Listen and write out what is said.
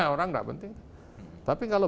orang nggak penting tapi kalau